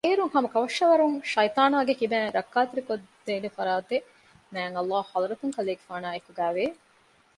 އޭރުން ހަމަކަށަވަރުން ޝައިޠާނާގެ ކިބައިން ރައްކާތެރިކޮށްދޭނެ ފަރާތެއް މާތްﷲގެ ޙަޟްރަތުން ކަލޭގެފާނާއި އެކުގައިވާނެ